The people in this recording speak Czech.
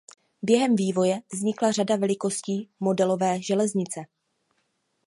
Během vývoje vznikla řada velikostí modelové železnice.